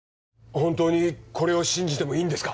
本当にこれを信じてもいいんですか？